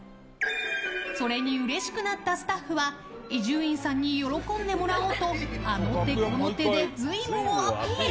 それにうれしくなったスタッフは伊集院さんに喜んでもらおうとあの手この手で瑞夢をアピール。